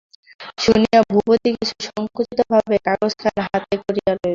শুনিয়া ভূপতি কিছু সংকুচিতভাবে কাগজখানা হাতে করিয়া লইল।